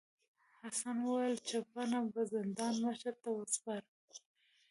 حسن وویل چپنه به زندان مشر ته وسپارم.